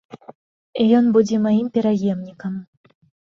Ён будзе маім пераемнікам.